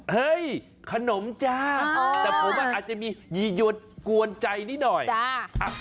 เฮ้ยขนมจ้าแต่ผมอาจจะมียียวนกวนใจนิดหน่อยจ้า